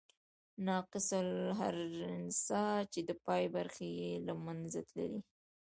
ناقص الاخرنسخه، چي د پای برخي ئې له منځه تللي يي.